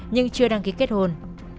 nhưng chưa đăng ký kết hôn